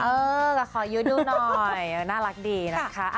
เออขอยูดูน่อยน่ารักดีนะคะ